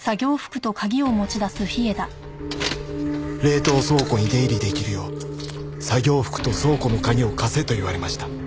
冷凍倉庫に出入り出来るよう作業服と倉庫の鍵を貸せと言われました。